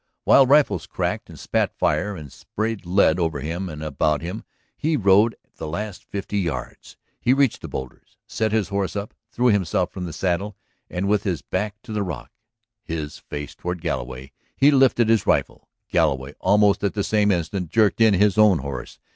While rifles cracked and spat fire and sprayed lead over him and about him he rode the last fifty yards. He reached the boulders, set his horse up, threw himself from the saddle, and with his back to the rock, his face toward Galloway, he lifted his rifle. Galloway, almost at the same instant, jerked in his own horse.